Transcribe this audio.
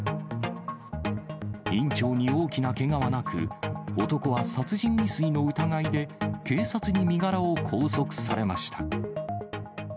院長に大きなけがはなく、男は殺人未遂の疑いで警察に身柄を拘束されました。